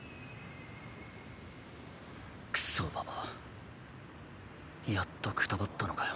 クソババアやっとくたばったのかよ。